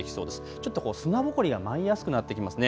ちょっと砂ぼこりが舞いやすくなってきますね。